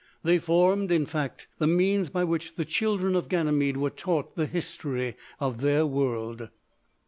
They formed, in fact, the means by which the children of Ganymede were taught the history of their world.